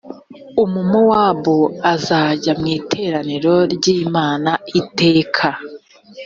umumowabu uzajya mu iteraniro ry’imana iteka